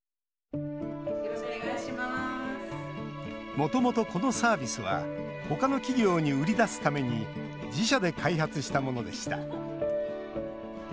もともと、このサービスはほかの企業に売り出すために自社で開発したものでした。